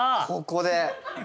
ここで。